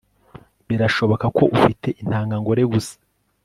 Birashoboka ko ufite intanga ngore gusa